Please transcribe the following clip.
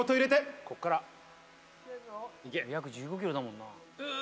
約１５キロだもんな。